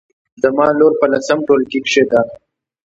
زما لور په لسم ټولګي کې ده